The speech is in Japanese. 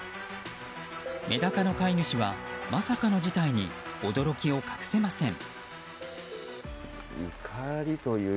メダカの飼い主はまさかの事態に驚きを隠せません。